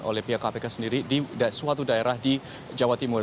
oleh pihak kpk sendiri di suatu daerah di jawa timur